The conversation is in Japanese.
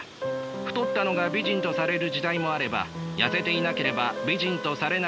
太ったのが美人とされる時代もあれば痩せていなければ美人とされない時代もある。